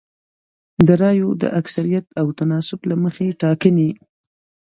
د رایو د اکثریت او تناسب له مخې ټاکنې